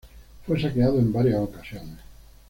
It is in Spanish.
Fue saqueado en varias ocasiones.